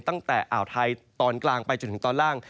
ตั้งแต่อ่าวไทยตอนกลางไปจนถึงตอนล่าง